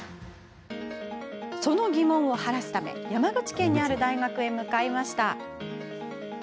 その疑問を晴らすため山口県にある大学へ向かいました。